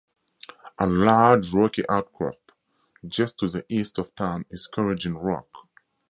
A large rocky outcrop just to the east of town is Corrigin Rock.